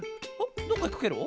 どっかいくケロ？